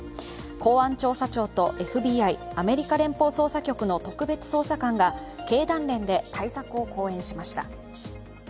公安調査庁とＦＢＩ＝アメリカ連邦捜査局の特別捜査官が経団連で対策を講演しました。